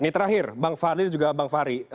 ini terakhir bang fahri juga bang fahri